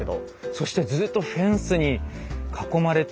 そしてずっとフェンスに囲まれていた。